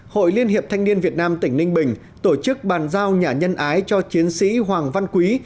hội liên hiệp thanh niên việt nam tỉnh ninh bình tổ chức bàn giao nhà nhân ái cho chiến sĩ hoàng văn quý